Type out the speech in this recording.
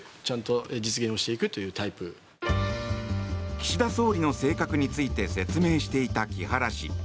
岸田総理の性格について説明していた木原氏。